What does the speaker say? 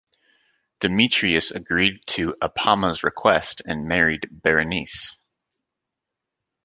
Demetrius agreed to Apama's request and married Berenice.